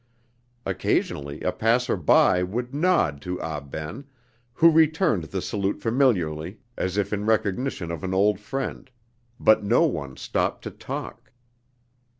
Occasionally a passer by would nod to Ah Ben, who returned the salute familiarly, as if in recognition of an old friend; but no one stopped to talk.